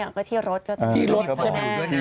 ก็เที่ยวรถก็เที่ยวรถใช่มั้ย